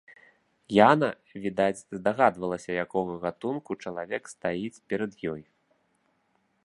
Яна, відаць, здагадвалася, якога гатунку чалавек стаіць перад ёй.